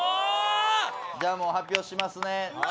じゃあもう発表しますね。